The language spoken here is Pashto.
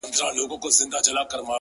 كومه يوه خپله كړم،